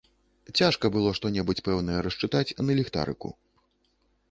Цяжка было што-небудзь пэўнае расчытаць на ліхтарыку.